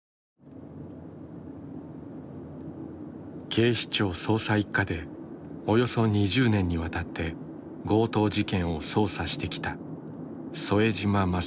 警視庁捜査一課でおよそ２０年にわたって強盗事件を捜査してきた副島雅彦氏。